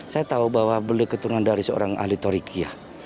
saya tahu bahwa beliau keturunan dari seorang ahli torikiyah